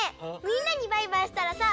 みんなにバイバイしたらさ